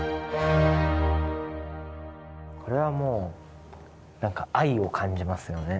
これはもうなんか愛を感じますよね。